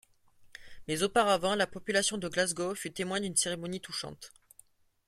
Mais auparavant, la population de Glasgow fut témoin d’une cérémonie touchante.